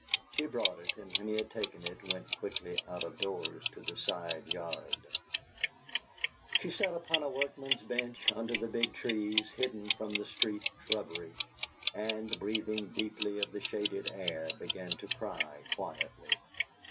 She brought it, and when he had taken it, went quickly out of doors to the side yard. She sat upon a workman's bench under the big trees, hidden from the street shrubbery, and breathing deeply of the shaded air, began to cry quietly.